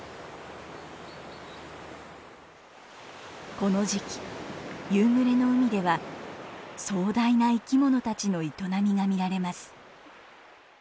この時期夕暮れの海では壮大な生きものたちの営みが見られます。